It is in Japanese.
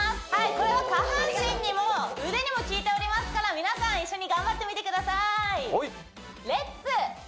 これは下半身にも腕にもきいておりますから皆さん一緒に頑張ってみてください